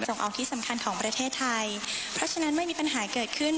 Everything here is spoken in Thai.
ส่งออกที่สำคัญของประเทศไทยเพราะฉะนั้นไม่มีปัญหาเกิดขึ้น